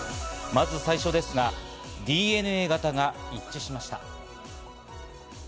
まず最初ですが、ＤＮＡ型が一致しました。